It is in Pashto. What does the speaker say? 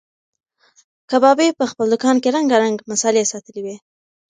کبابي په خپل دوکان کې رنګارنګ مسالې ساتلې وې.